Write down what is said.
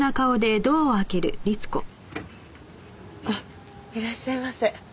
あっいらっしゃいませ。